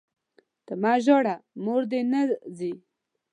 ته مه ژاړه ، موردي نه ځي!